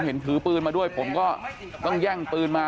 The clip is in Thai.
ถือปืนมาด้วยผมก็ต้องแย่งปืนมา